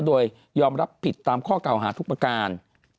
โดยยอมรับผิดตามข้อเก่าหาทุกประการ